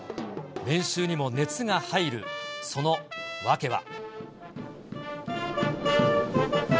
練習にも熱が入る、その訳は。